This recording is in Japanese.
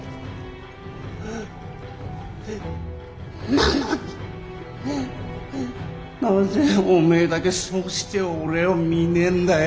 なのになぜお前だけそうして俺を見ねえんだよ。